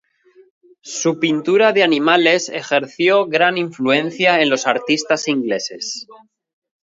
Su pintura de animales ejerció gran influencia en los artistas ingleses.